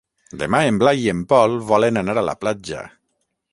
Demà en Blai i en Pol volen anar a la platja.